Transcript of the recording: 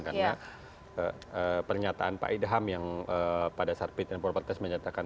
karena pernyataan pak irham yang pada sarpit and properties menyatakan